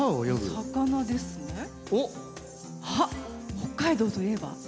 北海道といえば。